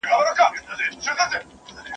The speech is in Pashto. ¬ د بد بخته دوه غوايي وه يو وتی نه، بل ننوتی نه.